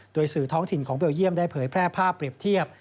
โดยสื่อท้องถิ่นของเบลเยี่ยมได้เผยแพร่ภาพเปรียบเทียบ